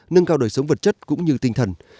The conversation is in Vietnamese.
nâng cao đời sống vật chất cũng như tinh thần